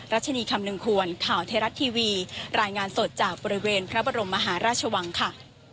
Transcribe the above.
ชนีคำนึงควรข่าวไทยรัฐทีวีรายงานสดจากบริเวณพระบรมมหาราชวังค่ะ